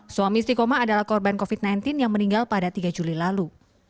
suami istiqomah adalah korban covid sembilan belas yang meninggal pada tiga juli lalu